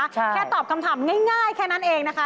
แค่ตอบคำถามง่ายแค่นั้นเองนะคะ